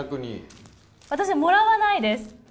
私はもらわないです。